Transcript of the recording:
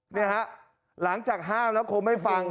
นี่ฮะห้ามแล้วคงไม่ฟัง